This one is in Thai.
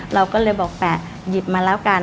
เราก็เลยบอกแปะหยิบมาแล้วกัน